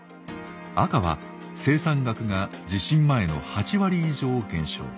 赤は生産額が地震前の８割以上減少